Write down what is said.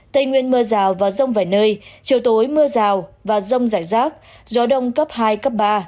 tây nguyên mưa rào và rông vài nơi chiều tối mưa rào và rông rải rác gió đông cấp hai cấp ba